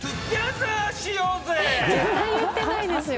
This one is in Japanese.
絶対言ってないですよ。